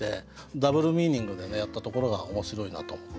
ダブルミーニングでやったところが面白いなと思って。